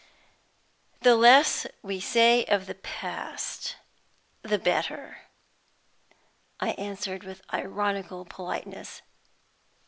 "The less we say of the past, the better," I answered, with ironical politeness.